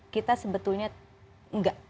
kita sebetulnya tidak